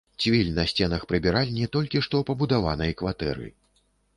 Цвіль на сценах прыбіральні толькі што пабудаванай кватэры.